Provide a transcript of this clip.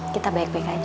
kita baik baik aja